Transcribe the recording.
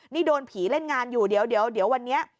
นี่โดนผีเล่นงานอยู่เดี๋ยววันนี้